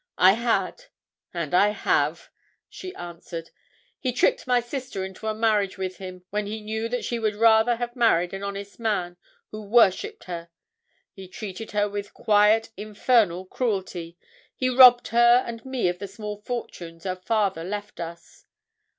"I had—and I have," she answered. "He tricked my sister into a marriage with him when he knew that she would rather have married an honest man who worshipped her; he treated her with quiet, infernal cruelty; he robbed her and me of the small fortunes our father left us."